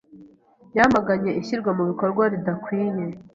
yamaganye ishyirwa mu bikorwa ridakwiriye